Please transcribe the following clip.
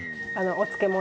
お漬物。